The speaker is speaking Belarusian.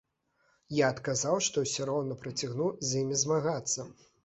Я адказаў, што ўсё роўна працягну з імі змагацца.